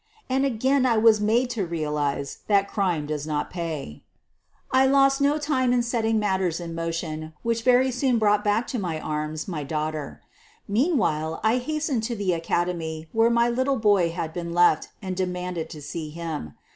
And again I was made to real ze that crime does not pay ! I lost no time in setting matters in motion which very soon brought back to my arms my daughter. Meanwhile I hastened to the academy where my little boy had been left and demanded to see him.